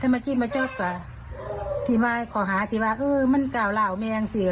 ถ้าเมื่อกี้ไม่ชอบกว่าที่มาขอหาที่ว่าเออมันกล่าวล่าออกแมงสิ